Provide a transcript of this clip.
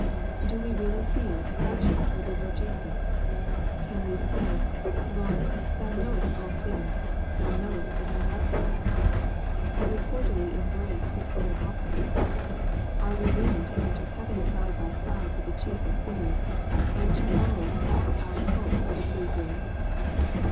Do we really feel affection toward the Lord Jesus ? Can we say, " Lord, thou knowest all things, thou knowest that I love thee ?" Have we cordially embraced His whole Gospel ? Are we willing to enter heaven side by side with the chief of sinners, and to owe all our hopes to free grace